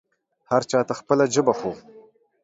هر چا ته خپله ژبه خو